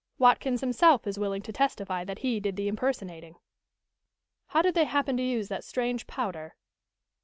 Watkins himself is willing to testify that he did the impersonating." "How did they happen to use that strange powder?"